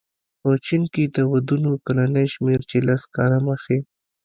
په چین کې د ودونو کلنی شمېر چې لس کاله مخې